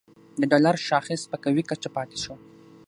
د ډالر شاخص په قوي کچه پاتې شو